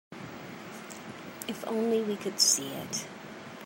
If only we could see it.